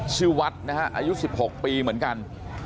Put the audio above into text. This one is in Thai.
ชื่อวัดนะฮะอายุ๑๖ปีเหมือนกัน